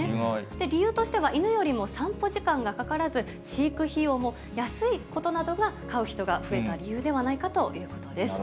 理由としては犬よりも散歩時間がかからず、飼育費用も安いことなどが、飼う人が増えた理由ではないかということです。